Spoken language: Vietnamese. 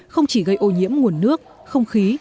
không chỉ gây ô nhiễm nguồn nước không khí